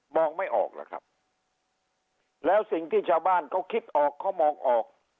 ไม่ออกล่ะครับแล้วสิ่งที่ชาวบ้านเขาคิดออกเขามองออก